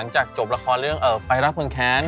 นี่ก็ถามเขาหายไปไหน